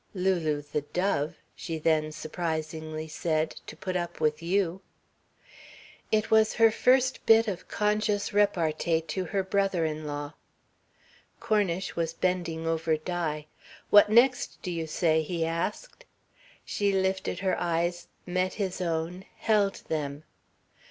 "Lulu the dove," she then surprisingly said, "to put up with you." It was her first bit of conscious repartee to her brother in law. Cornish was bending over Di. "What next do you say?" he asked. She lifted her eyes, met his own, held them.